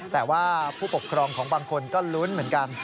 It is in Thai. แต่ว่าผู้ปกครองของบางคนก็ลุ้นเหมือนกัน